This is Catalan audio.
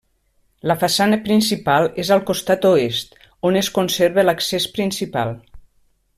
La façana principal és al costat oest, on es conserva l'accés principal.